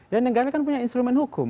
ya negara kan punya instrumen hukum